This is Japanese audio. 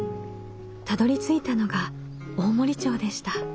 たどりついたのが大森町でした。